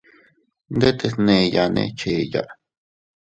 Ndetes neʼeyane cheya.